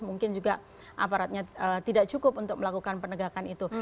mungkin juga aparatnya tidak cukup untuk melakukan penegakan itu